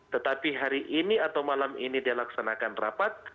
tetapi hari ini atau malam ini dilaksanakan rapat